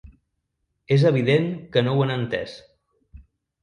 És evident que no ho han entès.